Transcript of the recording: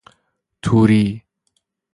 توری